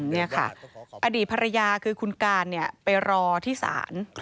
นี่ค่ะอดีตภรรยาคือคุณการไปรอที่ศาล